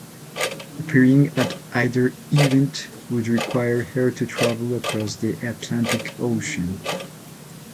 Appearing at either event would require her to travel across the Atlantic Ocean.